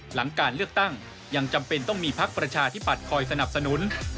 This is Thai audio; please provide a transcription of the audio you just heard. หลังการเลือกตั้งยังจำเป็นต้องมีพักประชาธิบัติคอยสนับสนุน